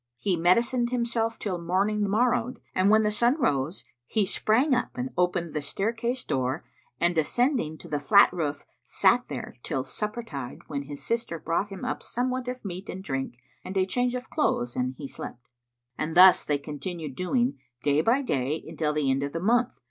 He medicined himself till morning morrowed; and when the sun rose, he sprang up and opened the staircase door and ascending to the flat roof sat there till supper tide when his sister brought him up somewhat of meat and drink and a change of clothes and he slept. And thus they continued doing, day by day until the end of the month.